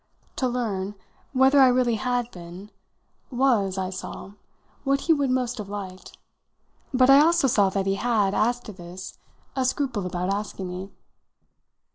To learn whether I really had been was, I saw, what he would most have liked; but I also saw that he had, as to this, a scruple about asking me.